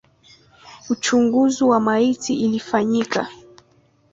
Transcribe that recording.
Uchunguzi wa maiti ulifanyika.